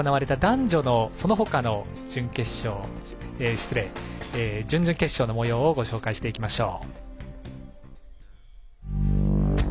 ここまでに行われた男女のその他の準々決勝のもようご紹介していきましょう。